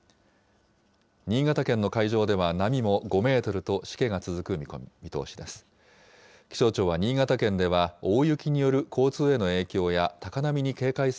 新潟県の海上では、波も５メートルとしけが続く見通しです。